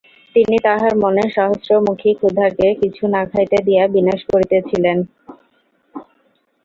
তিনি তাঁহার মনের সহস্রমুখী ক্ষুধাকে কিছু না খাইতে দিয়া বিনাশ করিতেছিলেন।